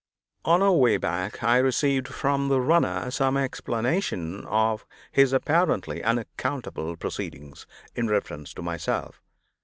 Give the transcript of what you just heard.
ON our way back I received from the runner some explanation of his apparently unaccountable proceedings in reference to myself.